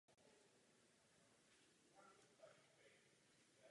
K tomu samozřejmě musí dojít.